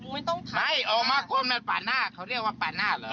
ไม่ออกมาก่อนมันปาดหน้าเขาเรียกว่าปาดหน้าเหรอ